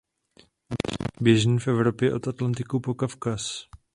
Běžný v Evropě od Atlantiku po Kavkaz.